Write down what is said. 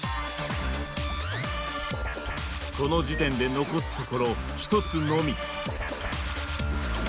この時点で残すところ１つのみ。